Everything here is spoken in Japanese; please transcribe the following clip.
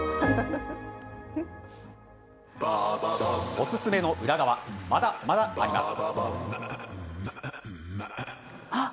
おすすめの裏側まだまだあります。